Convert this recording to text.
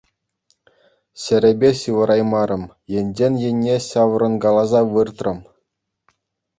Ҫӗрӗпе ҫывӑраймарӑм, енчен енне ҫаврӑнкаласа выртрӑм.